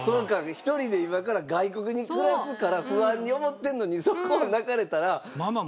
１人で今から外国に暮らすから不安に思ってるのにそこを泣かれたら。